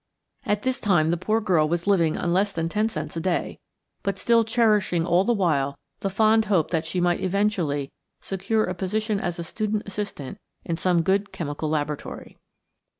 At this time the poor girl was living on less than ten cents a day, but still cherishing all the while the fond hope that she might eventually secure a position as a student assistant in some good chemical laboratory.